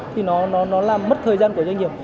thì nó làm mất thời gian của doanh nghiệp